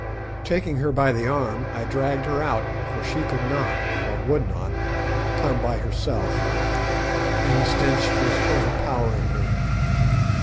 Taking her by the arm, I dragged her out, for she could not, or would not, come by herself, and the stench was overpowering me.